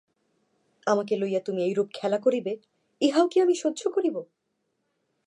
আমাকে লইয়া তুমি এইরূপ খেলা করিবে, ইহাও কি আমি সহ্য করিব।